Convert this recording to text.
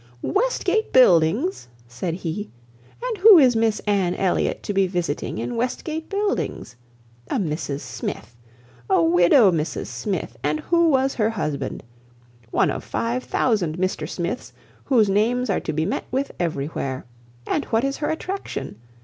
"Westgate Buildings!" said he, "and who is Miss Anne Elliot to be visiting in Westgate Buildings? A Mrs Smith. A widow Mrs Smith; and who was her husband? One of five thousand Mr Smiths whose names are to be met with everywhere. And what is her attraction?